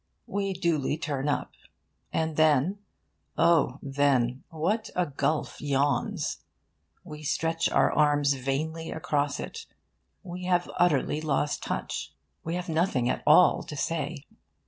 We duly turn up. And then, oh then, what a gulf yawns! We stretch our arms vainly across it. We have utterly lost touch. We have nothing at all to say.